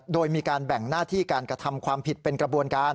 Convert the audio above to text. โดยมีการแบ่งหน้าที่การกระทำความผิดเป็นกระบวนการ